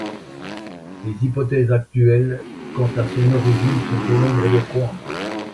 Les hypothèses actuelles quant à son origine sont au nombre de trois.